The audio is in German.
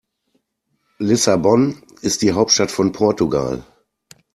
Lissabon ist die Hauptstadt von Portugal.